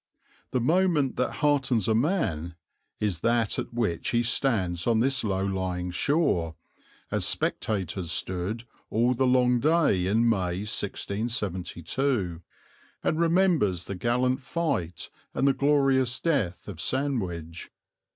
The moment that heartens a man is that at which he stands on this low lying shore, as spectators stood all the long day in May, 1672, and remembers the gallant fight and the glorious death of Sandwich.